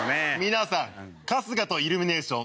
皆さん春日とイルミネーション